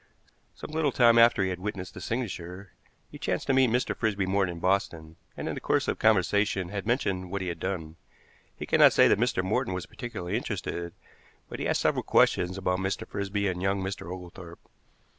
Some little time after he had witnessed the signature, he chanced to meet Mr. Frisby Morton in Boston, and in the course of conversation had mentioned what he had done. He could not say that Mr. Morton was particularly interested, but he asked several questions about Mr. Frisby and young Mr. Oglethorpe.